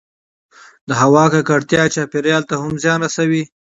د هـوا کـکړتـيا چاپـېريال ته هم زيان رسـوي